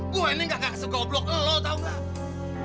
gue ini gak kasih goblok ke lo tau gak